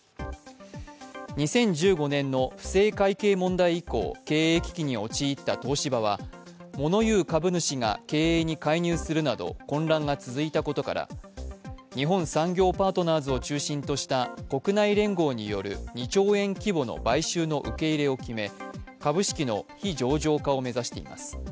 ２０１５年の不正会計問題以降、経営危機に陥った東芝は物言う株主が経営に介入するなど混乱が続いたことから、日本産業パートナーズを中心とした国内連合による２兆円規模の買収の受け入れを決め株式の非上場化を目指しています。